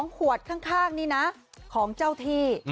ขวดข้างนี่นะของเจ้าที่